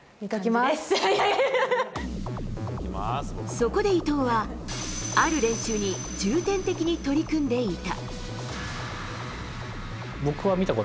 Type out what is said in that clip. そこで伊藤は、ある練習に重点的に取り組んでいた。